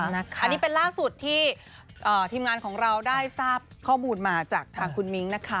อันนี้เป็นล่าสุดที่ทีมงานของเราได้ทราบข้อมูลมาจากทางคุณมิ้งนะคะ